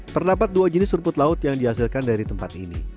terdapat dua jenis rumput laut yang dihasilkan dari tempat ini